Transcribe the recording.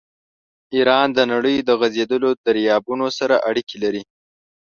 ایران د نړۍ د غځېدلو دریابونو سره اړیکې لري.